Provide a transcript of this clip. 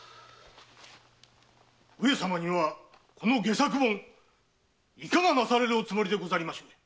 上様にはこの戯作本いかがなされるおつもりでしょうか？